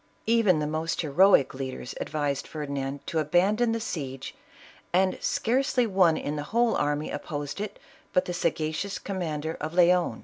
Even the most heroic lead ers advised Ferdinand to abandon the siege, and scarce ly one in the whole army opposed it but the sagacious commander of Leon.